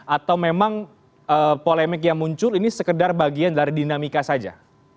atau memang polemik yang muncul ini sekedar bagian dari dinamika saja